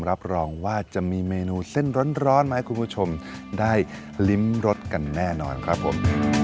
รับรองว่าจะมีเมนูเส้นร้อนมาให้คุณผู้ชมได้ลิ้มรสกันแน่นอนครับผม